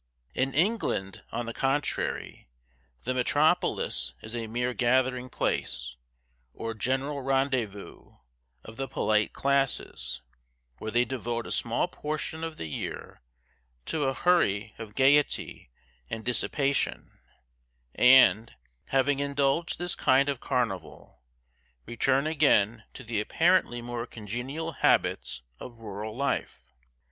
In England, on the contrary, the metropolis is a mere gathering place, or general rendezvous, of the polite classes, where they devote a small portion of the year to a hurry of gayety and dissipation, and, having indulged this kind of carnival, return again to the apparently more congenial habits of rural life.